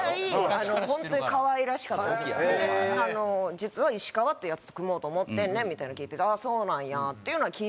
「実は石川ってヤツと組もうと思ってんねん」みたいなの聞いて「そうなんや」っていうのは聞いてたんですよ。